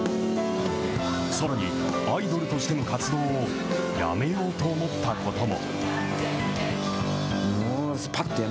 さらに、アイドルとしての活動を辞めようと思ったことも。